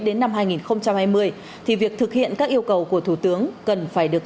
đến năm hai nghìn hai mươi thì việc thực hiện các yêu cầu của thủ tướng cần phải được